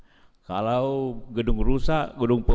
jika jembatan api ini diperlindungi oleh aset aset negara